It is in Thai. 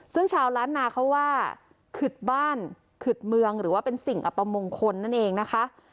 ซึ่งชาวล้านนาเขาว่าขึดบ้านขึดเมืองหรือว่าเป็นสิ่งอัปมงคลนั่นเองนะคะ